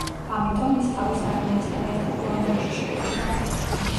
ამიტომ, ის თავის არმიასთან ერთად ლონდონში შეიჭრა.